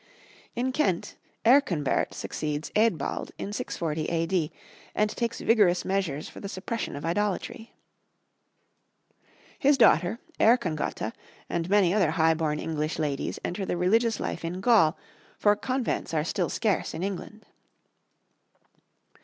In Kent, Earconbert succeeds Eadbald in 640 A.D., and takes vigorous measures for the suppression of idolatry. His daughter, Earcongota, and many other high born English ladies enter the religious life in Gaul, for convents are still scarce in England.